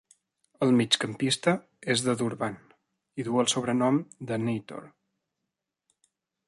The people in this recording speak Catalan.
El migcampista és de Durban, i du el sobrenom de "Nator".